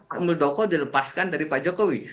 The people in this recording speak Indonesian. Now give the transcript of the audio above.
pak muldoko dilepaskan dari pak jokowi